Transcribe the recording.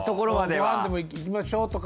ご飯でも行きましょうとか。